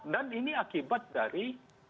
dan ini akibat dari